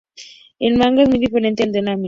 El manga es muy diferente del anime.